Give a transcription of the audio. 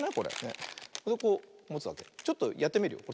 ちょっとやってみるよ。